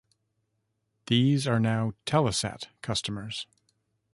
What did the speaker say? These are now Telesat customers.